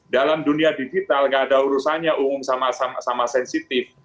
dalam dunia digital gak ada urusannya umum sama sensitif